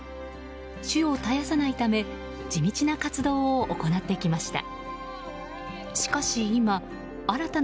種を絶やさないため地道な活動を行ってきました。